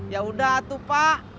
yaudah atuh pak